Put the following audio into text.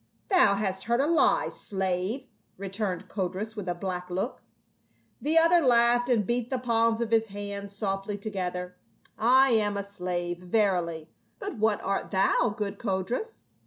"Thou hast heard a lie, slave." returned Codrus with a black look. The other laughed and beat the palms of his hands THE SOOTHSA YER. 33 softly together. " I am a slave, verily ; but what art thou, good Codrus